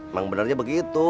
emang benarnya begitu